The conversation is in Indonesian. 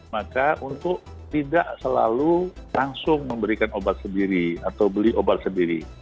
maka untuk tidak selalu langsung memberikan obat sendiri atau beli obat sendiri